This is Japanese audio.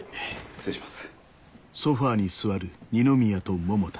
失礼します。